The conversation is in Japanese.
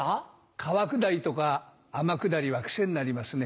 川下りとか天下りは癖になりますね。